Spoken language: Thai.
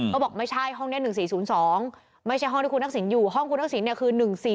บอกไม่ใช่ห้องนี้๑๔๐๒ไม่ใช่ห้องที่คุณทักษิณอยู่ห้องคุณทักษิณเนี่ยคือ๑๔